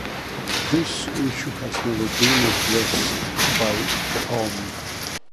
This issue has never been addressed by Palm.